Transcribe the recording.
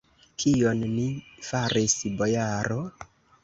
Kion ni faris, bojaro?